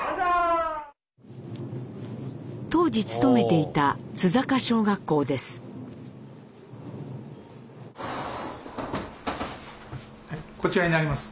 当時勤めていたこちらになります。